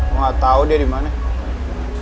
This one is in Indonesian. gue gak tau dia dimana